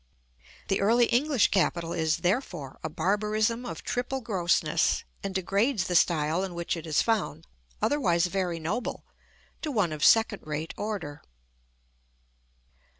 The Early English capital is, therefore, a barbarism of triple grossness, and degrades the style in which it is found, otherwise very noble, to one of second rate order.